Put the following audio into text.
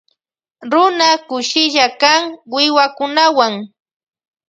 Runa kushilla kan wiwakunawan.